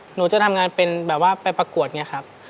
หนูจะทำงานเป็นแบบว่าไปประกวดไงครับ